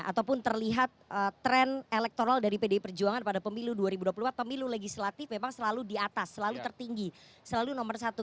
ataupun terlihat tren elektoral dari pdi perjuangan pada pemilu dua ribu dua puluh empat pemilu legislatif memang selalu di atas selalu tertinggi selalu nomor satu